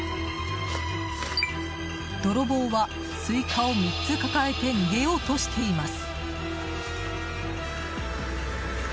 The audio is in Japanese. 泥棒はスイカを３つ抱えて逃げようとしています。